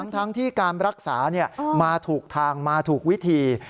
ทั้งที่การรักษามาถูกทางมาถูกวิธี